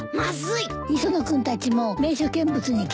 磯野君たちも名所見物に来たの？